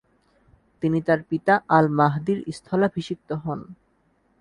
তিনি তার পিতা আল মাহদির স্থলাভিষিক্ত হন।